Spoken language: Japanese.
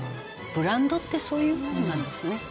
ブランドってそういうもんなんですね。